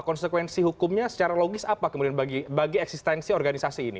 konsekuensi hukumnya secara logis apa kemudian bagi eksistensi organisasi ini